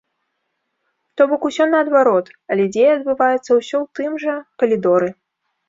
То бок усё наадварот, але дзея адбываецца ўсё ў тым жа калідоры.